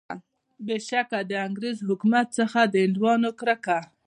بېشکه د انګریز حکومت څخه د هندیانو کرکه.